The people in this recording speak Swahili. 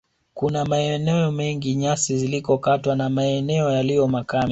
Kuna maeneo mengi nyasi zilikokatwa na maeneo yaliyo makame